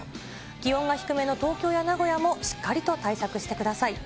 気温が低めの東京や名古屋もしっかりと対策してください。